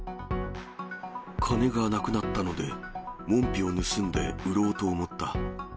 金がなくなったので、門扉を盗んで売ろうと思った。